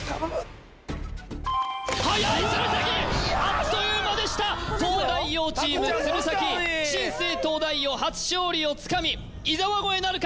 はやい鶴崎あっという間でした東大王チーム鶴崎新生東大王初勝利をつかみ伊沢越えなるか？